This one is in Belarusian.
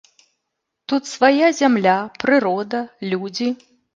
Тут свая зямля, прырода, людзі.